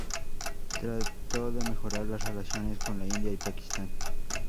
Trató de mejorar las relaciones con la India y Pakistán.